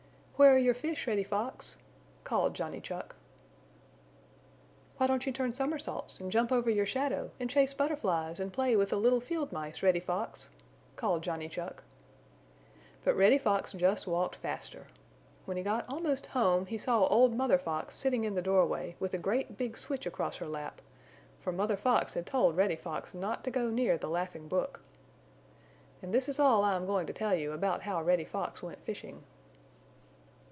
"Where are your fish, Reddy Fox?" called Johnny Chuck. "Why don't you turn somersaults, and jump over your shadow and chase Butterflies and play with the little Field Mice, Reddy Fox?" called Johnny Chuck. But Reddy Fox just walked faster. When he got almost home he saw old Mother Fox sitting in the doorway with a great big switch across her lap, for Mother Fox had told Reddy Fox not to go near the Laughing Brook. And this is all I am going to tell you about how Reddy Fox went fishing.